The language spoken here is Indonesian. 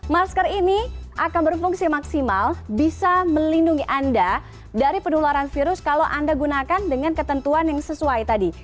masker ini akan berfungsi maksimal bisa melindungi anda dari penularan virus kalau anda gunakan dengan ketentuan yang sesuai tadi